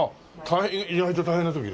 意外と大変な時入れたね。